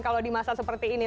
kalau di masa seperti ini